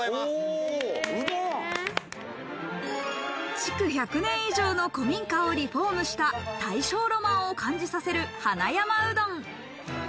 築１００年以上の古民家をリフォームした、大正ロマンを感じさせる花山うどん。